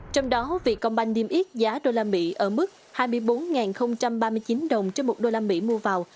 trong đó việc công banh niêm yết giá đô la mỹ ở mức hai mươi bốn ba mươi chín đồng trên một đô la mỹ mua vào